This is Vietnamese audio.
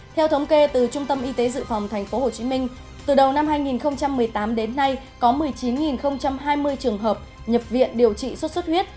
theo thống kê từ trung tâm y tế dự phòng tp hcm từ đầu năm hai nghìn một mươi tám đến nay có một mươi chín hai mươi trường hợp nhập viện điều trị xuất xuất huyết